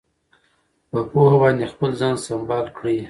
په پوهه باندې خپل ځان سمبال کړئ.